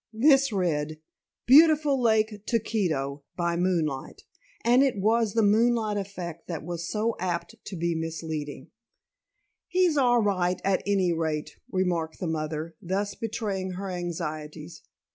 This read "Beautiful Lake Tuketo by Moonlight" and it was the moonlight effect that was so apt to be misleading. "He's all right, at any rate," remarked the mother, thus betraying her anxieties.